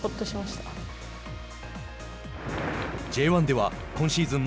Ｊ１では今シーズン